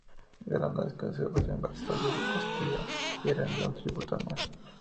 Granada se convirtió en vasallo de Castilla y rindió un tributo anual.